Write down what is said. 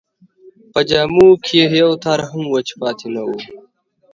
په جامو کې یې یو تار هم وچ پاتې نه و.